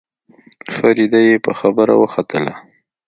فريده يې په خبره وختله.